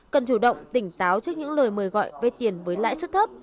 cần chủ động tỉnh táo trước những lời mời gọi về tiền với lãi suất thấp